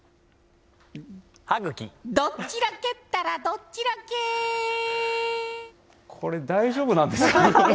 どっちらけったら、どっちらこれ、大丈夫なんですか。